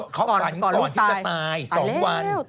เขาฝันก่อนที่จะตาย๒วัน